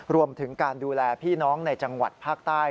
รวมถึงการดูแลพี่น้องในจังหวัดภาคใต้